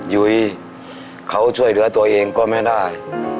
ยุ้ยเขาช่วยเหลือตัวเองก็ไม่ได้